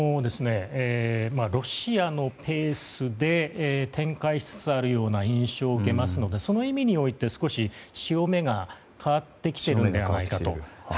ロシアのペースで展開しつつあるような印象を受けますのでその意味において少し潮目が、変わってきているのではないかと。